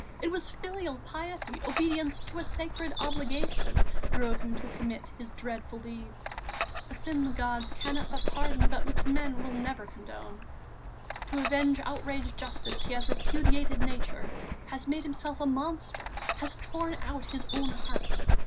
It was filial piety, obedience to a sacred obligation, drove him to commit his dreadful deed, a sin the gods cannot but pardon, but which men will never condone. To avenge outraged justice, he has repudiated Nature, has made himself a monster, has torn out his own heart.